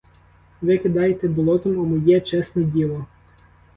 Ви кидаєте болотом у моє чесне діло.